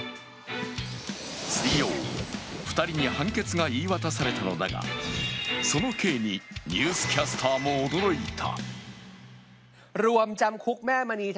水曜、２人に判決が言い渡されたのだが、その刑にニュースキャスターも驚いた。